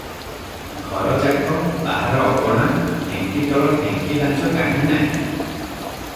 ଘର ଯାକ, ବାହାର ଅଗଣା, ଢେଙ୍କିତଳ ଢେଙ୍କି ଲାଞ୍ଜ କାହିଁ ନାହିଁ ।